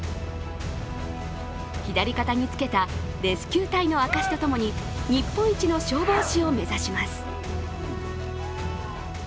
左肩につけたレスキュー隊の証しとともに日本一の消防士を目指します。